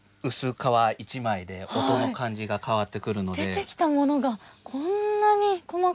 出てきたものがこんなに細かい。